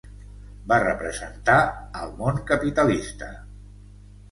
Va representar al món capitalista.